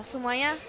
semuanya lancar gitu